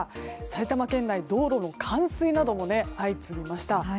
埼玉県内、道路の冠水なども相次ぎました。